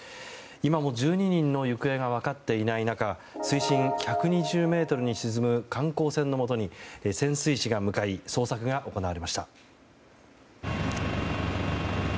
今も１２人の行方が分かっていない中水深１２０ｍに沈む観光船のもとに潜水士が向かい捜索が行われました。